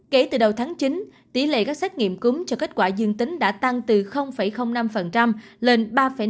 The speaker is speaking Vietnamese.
kể từ đầu tháng chín tỷ lệ các xét nghiệm cúm cho kết quả dương tính đã tăng từ năm lên ba năm